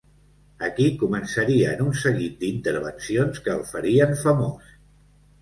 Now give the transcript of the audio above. Aquí començarien un seguit d'intervencions que el farien famós.